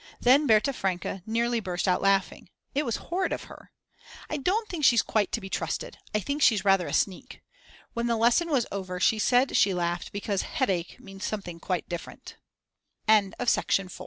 Then Berta Franke nearly burst out laughing, it was horrid of her; I don't think she's quite to be trusted; I think she's rather a sneak. When the lesson was over she said she had laughed because "headache" means something quite different. November 1st. To day we began to work at the tablecloth for